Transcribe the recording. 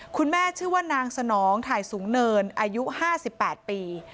คุณแม่ชื่อว่านางสนองถ่ายสูงเนินอายุ๕๘ปี